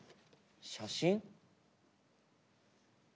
写真？